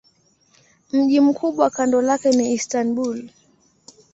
Mji mkubwa kando lake ni Istanbul.